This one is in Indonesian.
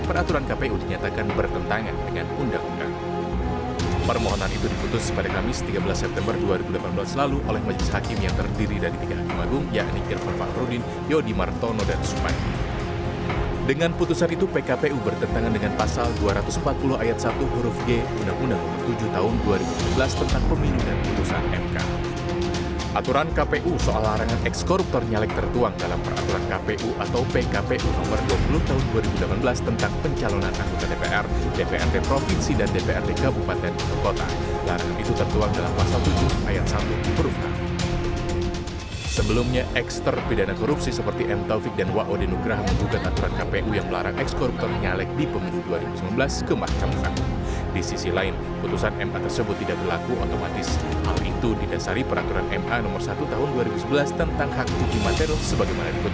pengujian peraturan perundang undangan